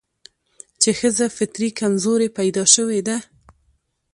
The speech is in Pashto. چې ښځه فطري کمزورې پيدا شوې ده